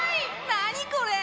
何これ？